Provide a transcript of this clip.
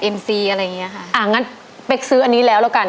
อะไรอย่างเงี้ยค่ะอ่างั้นเป๊กซื้ออันนี้แล้วแล้วกัน